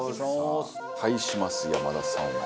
対します山田さんは。